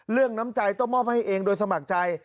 น้ำใจต้องมอบให้เองโดยสมัครใจ